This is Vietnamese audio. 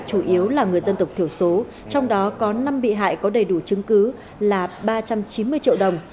chủ yếu là người dân tộc thiểu số trong đó có năm bị hại có đầy đủ chứng cứ là ba trăm chín mươi triệu đồng